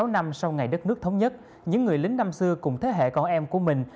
sáu năm sau ngày đất nước thống nhất những người lính năm xưa cùng thế hệ con em của mình